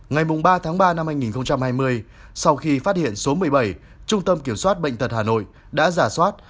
ngày ba tháng ba năm hai nghìn hai mươi sau khi phát hiện số một mươi bảy trung tâm kiểm soát bệnh tật hà nội đã giả soát